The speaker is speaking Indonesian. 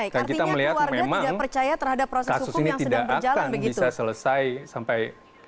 dan kita melihat memang kasus ini tidak akan bisa selesai sampai